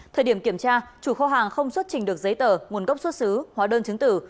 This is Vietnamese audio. thời điểm kiểm tra chủ kho hàng không xuất trình được giấy tờ nguồn gốc xuất xứ hóa đơn chứng tử